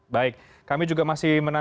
baik kami juga masih menanti